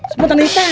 semua tanah hitam